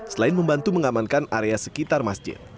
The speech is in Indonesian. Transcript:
selain membantu mengamankan area sekitar masjid